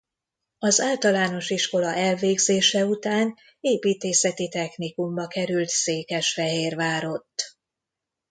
Az általános iskola elvégzése után építészeti technikumba került Székesfehérvárott.